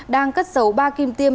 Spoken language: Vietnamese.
đang cất dấu ba kim tiêm